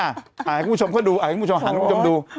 ให้คุณผู้ชมเขาดูให้คุณผู้ชมหันคุณผู้ชมดู